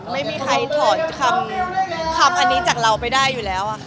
ไม่มีใครถอดคำอันนี้จากเราไปได้อยู่แล้วค่ะ